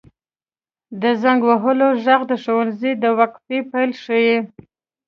• د زنګ وهلو ږغ د ښوونځي د وقفې پیل ښيي.